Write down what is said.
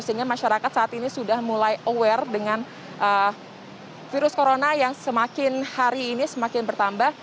sehingga masyarakat saat ini sudah mulai aware dengan virus corona yang semakin hari ini semakin bertambah